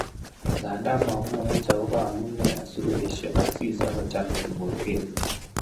Nganda momwoch agobo amune asikoesio Asisi akocham Kipokeo